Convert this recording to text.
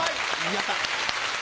やった。